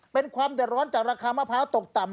เป็นความเดือดร้อนจากราคามะพร้าวตกต่ำ